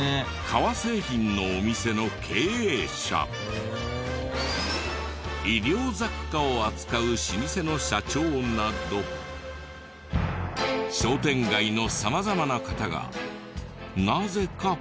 革製品のお店の経営者衣料雑貨を扱う老舗の社長など商店街の様々な方がなぜかポスターに。